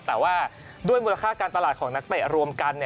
แต่ว่าด้วยมูลค่าการตลาดของนักเตะรวมกัน